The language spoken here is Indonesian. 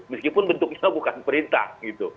meskipun bentuknya bukan perintah gitu